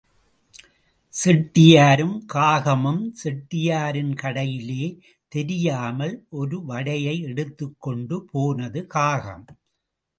செட்டியாரும் காகமும் செட்டியாரின் கடையிலே தெரியாமல் ஒரு வடையை எடுத்துக்கொண்டு போனது காகம்.